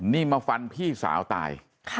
นี่มาฟันพี่สาวตาย